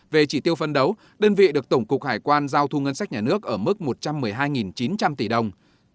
về chỉ tiêu phân đấu đơn vị được tổng cục hải quan giao thu ngân sách nhà nước ở mức một trăm một mươi hai chín trăm linh tỷ đồng